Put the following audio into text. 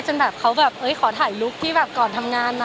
จนเขาแบบเอ้ยขอถ่ายลุคที่ก่อนทำงานนะ